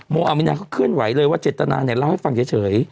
อามินาเขาเคลื่อนไหวเลยว่าเจตนาเนี่ยเล่าให้ฟังเฉย